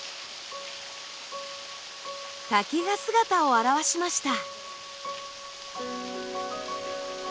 滝が姿を現しました。